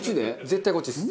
絶対こっちです。